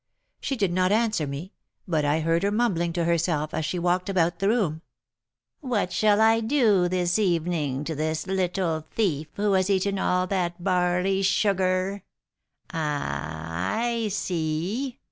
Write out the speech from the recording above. She did not answer me, but I heard her mumbling to herself, as she walked about the room, 'What shall I do this evening to this little thief, who has eaten all that barley sugar? Ah, I see!'